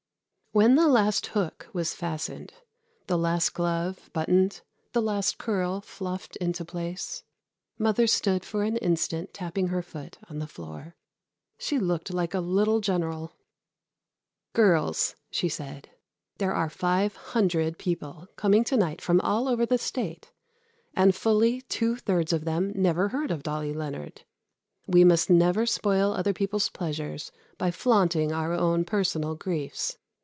When the last hook was fastened, the last glove buttoned, the last curl fluffed into place, mother stood for an instant tapping her foot on the floor. She looked like a little general. "Girls," she said, "there are five hundred people coming to night from all over the State, and fully two thirds of them never heard of Dolly Leonard. We must never spoil other people's pleasures by flaunting our own personal griefs.